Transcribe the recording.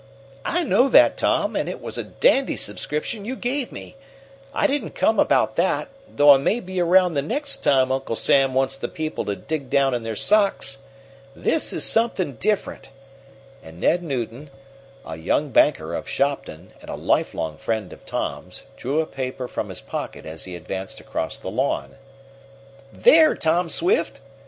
"I know that, Tom, and it was a dandy subscription you gave me. I didn't come about that, though I may be around the next time Uncle Sam wants the people to dig down in their socks. This is something different," and Ned Newton, a young banker of Shopton and a lifelong friend of Tom's, drew a paper from his pocket as he advanced across the lawn. "There, Tom Swift!"